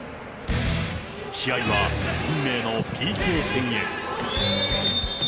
試合は運命のＰＫ戦へ。